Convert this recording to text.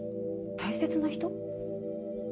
大切な人？